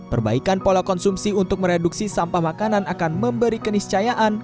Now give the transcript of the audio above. perbaikan pola konsumsi untuk mereduksi sampah makanan akan memberi keniscayaan